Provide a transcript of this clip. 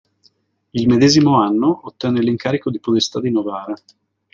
Il medesimo anno, ottenne l'incarico di podestà di Novara.